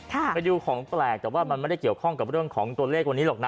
ไปดูของแปลกแต่ว่ามันไม่ได้เกี่ยวข้องกับเรื่องของตัวเลขวันนี้หรอกนะ